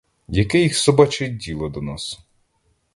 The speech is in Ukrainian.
Яке їх собаче діло до нас?